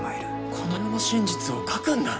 この世の真実を書くんだろ。